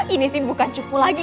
ini sih bukan cuku lagi